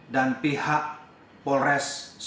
dan pihak polres sumatera